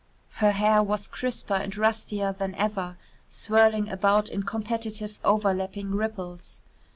Her hair was crisper and rustier than ever, swirling about in competitive overlapping ripples.